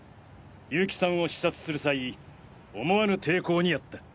結城さんを刺殺する際思わぬ抵抗にあった。